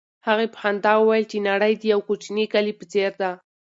هغې په خندا وویل چې نړۍ د یو کوچني کلي په څېر ده.